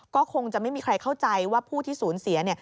ก็คงจะไม่มีใครเข้าใจว่าผู้ที่สูญเสีย